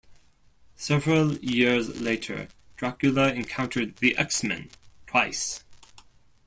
Several years later, Dracula encountered the X-Men twice.